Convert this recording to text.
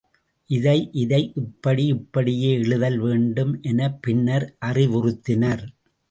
இதை இதை இப்படி இப்படியே எழுதல் வேண்டும் எனப் பின்னர் அறிவுறுத்தினர்.